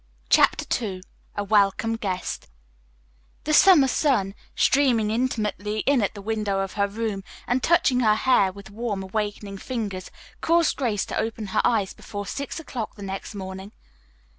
CHAPTER II A WELCOME GUEST The summer sun, streaming intimately in at the window of her room, and touching her hair with warm, awakening fingers, caused Grace to open her eyes before six o'clock the next morning.